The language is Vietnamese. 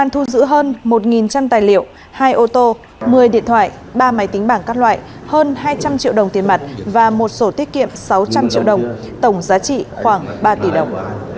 tài liệu hai ô tô một mươi điện thoại ba máy tính bảng các loại hơn hai trăm linh triệu đồng tiền mặt và một sổ tiết kiệm sáu trăm linh triệu đồng tổng giá trị khoảng ba tỷ đồng